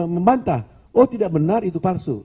membantah oh tidak benar itu palsu